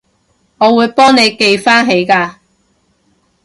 我會幫你記返起㗎